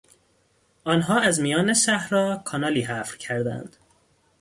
آنها از میان صحرا کانالی حفر کردند.